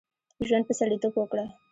ژوند په سړیتوب وکړه.